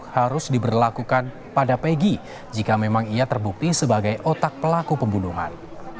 harus diberlakukan pada pegi jika memang ia terbukti sebagai otak pelaku pembunuhan